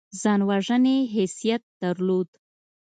ځان وژنې حیثیت درلود.